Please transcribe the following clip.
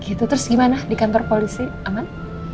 gitu terus gimana di kantor polisi aman